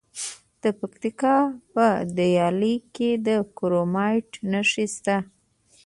د پکتیکا په دیله کې د کرومایټ نښې شته.